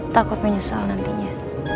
takut menyesal nantinya